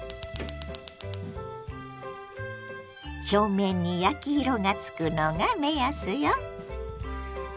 表面に焼き色がつくのが目安よ。